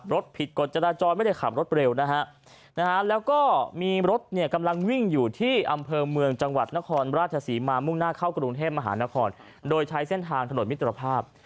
ผิดกฎจราจรไม่ได้ขับรถเร็วนะฮะแล้วก็มีรถเนี่ยกำลังวิ่งอยู่ที่อำเภอเมืองจังหวัดนครราชศรีมามุ่งหน้าเข้ากรุงเทพมหานครโดยใช้เส้นทางถนนมิตรภาพ